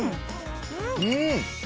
うん！